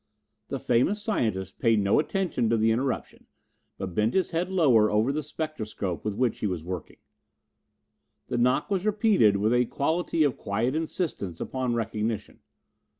The famous scientist paid no attention to the interruption but bent his head lower over the spectroscope with which he was working. The knock was repeated with a quality of quiet insistence upon recognition.